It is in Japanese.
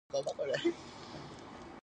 命のはかなさもまた芸術である